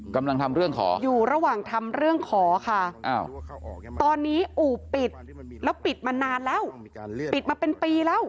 กำลังทำเรื่องขออยู่ระหว่างทำเรื่องขอค่ะตอนนี้อู่ปิดแล้วปิดมานานแล้วปิดมาเป็นปีแล้ว